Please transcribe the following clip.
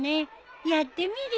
やってみるよ。